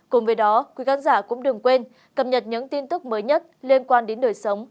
cùng với đó quý khán giả cũng đừng quên cập nhật những tin tức mới nhất liên quan đến đời sống